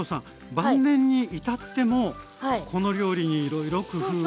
晩年に至ってもこの料理にいろいろ工夫を。